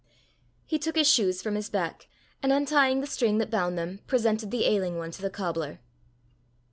He took his shoes from his back, and untying the string that bound them, presented the ailing one to the cobbler.